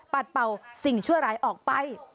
เป่าสิ่งชั่วร้ายออกไป